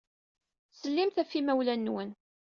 Ttsellimet ɣef yimawlan-nwen.